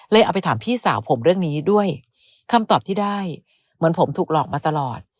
เอาไปถามพี่สาวผมเรื่องนี้ด้วยคำตอบที่ได้เหมือนผมถูกหลอกมาตลอด